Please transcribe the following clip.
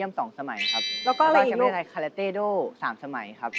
แล้วก็อะไรอีกลูกแล้วก็ชาเวสไทยคาราเต้โด่๓สมัยครับ